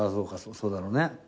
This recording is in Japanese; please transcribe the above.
そうだろうね。